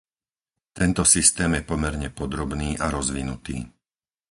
Tento systém je pomerne podrobný a rozvinutý.